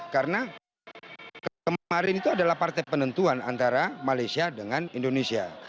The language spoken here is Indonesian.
karena kemarin itu adalah partai penentuan antara malaysia dengan indonesia